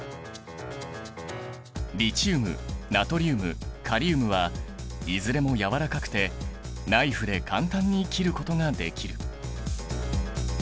リチウムナトリウムカリウムはいずれもやわらかくてナイフで簡単に切ることができる。